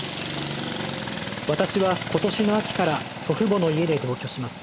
「私は今年の秋から祖父母の家で同居します。